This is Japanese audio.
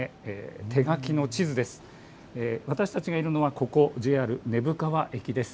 手書きの地図です。